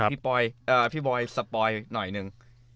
พี่บอยสปอยหน่อยหนึ่ง